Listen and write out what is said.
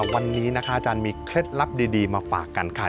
วันนี้นะคะอาจารย์มีเคล็ดลับดีมาฝากกันค่ะ